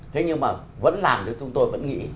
thế nhưng mà vẫn làm chứ chúng tôi vẫn nghĩ